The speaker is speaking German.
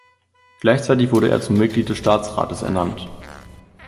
Gleichzeitig wurde er zum Mitglied des Staatsrates ernannt.